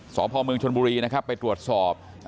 สพเมืองชนบุรีนะครับไปตรวจสอบ